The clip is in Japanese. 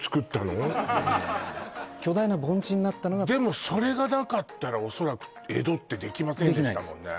巨大な盆地になったのがでもそれがなかったらおそらく江戸ってできませんでしたもんね